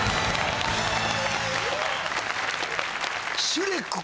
シュレックか！